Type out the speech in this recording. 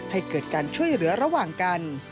ให้เกิดการช่วยเหลือระหว่างกัน